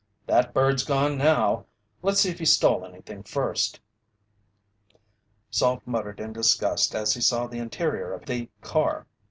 That bird's gone now. Let's see if he stole anything first." Salt muttered in disgust as he saw the interior of the car.